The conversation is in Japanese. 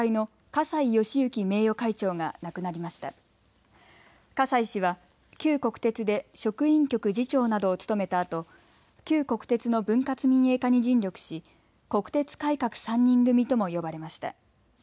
葛西氏は旧国鉄で職員局次長などを務めたあと旧国鉄の分割民営化に尽力し国鉄改革３人組とも呼ばれました。